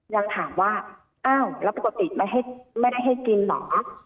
ยังถามว่าอ้าวแล้วปกติไม่ได้ให้กินเหรอ